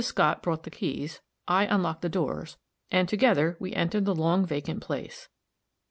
Scott brought the keys, I unlocked the doors, and together we entered the long vacant place.